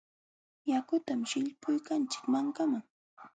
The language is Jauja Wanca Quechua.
Yakutam sillpuykanchik mankaman.